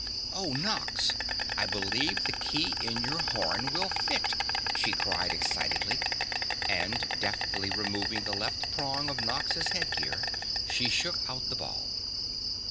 "Oh, Nox, I believe the key in your horn will fit!" she cried excitedly, and deftly removing the left prong of Nox's headgear she shook out the ball.